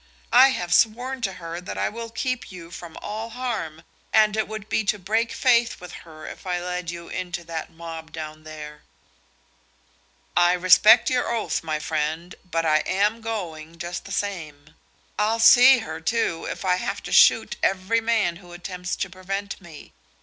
"I have sworn to her that I will keep you from all harm, and it would be to break faith with her if I led you into that mob down there." "I respect your oath, my friend, but I am going, just the same. I'll see her, too, if I have to shoot every man who attempts to prevent me.